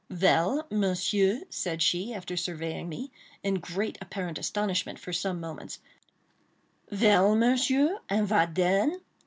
"Vell, Monsieur," said she, after surveying me, in great apparent astonishment, for some moments—"Vell, Monsieur?—and vat den?